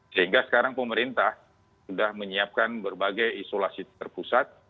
sehingga sekarang pemerintah sudah menyiapkan berbagai isolasi terpusat